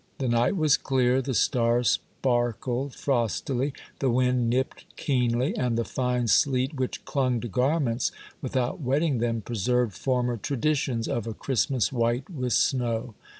The night was clear, the stars sparkled frostily, the wind nipped keenly, and the fine sleet which clung to garments without wetting them, preserved former traditions of a Christmas white with snow.